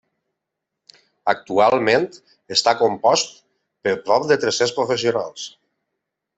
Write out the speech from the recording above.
Actualment està compost per prop de tres-cents professionals.